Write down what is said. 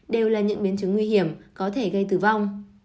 đều là những biến chứng nguy hiểm có thể gây tử vong